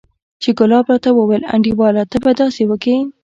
چې ګلاب راته وويل انډيواله ته به داسې وکې.